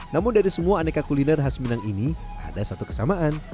namun dari semua aneka kuliner khas minang ini ada satu kesamaan